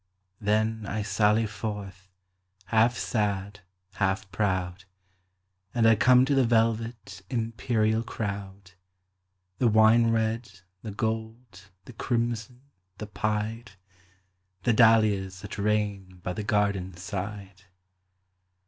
Then, I sally forth, half sad, half proud, And I come to the velvet, imperial crowd, The wine red, the gold, the crimson, the pied,—The dahlias that reign by the garden side.